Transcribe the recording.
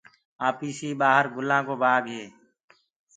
آپيسي ٻآهر گُلآن بآگ هي